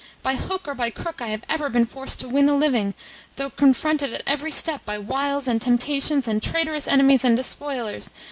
By hook or by crook I have ever been forced to win a living, though confronted at every step by wiles and temptations and traitorous enemies and despoilers.